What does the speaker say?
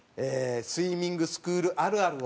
スイミングスクールあるあるを。